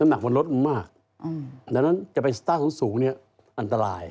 น้ำหนักมันลดมากแต่ละจะไปสตาร์ทสูงเนี่ยอันตราย